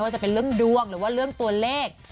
จะเป็นเรื่องดวงหรือว่าเรื่องตัวเลข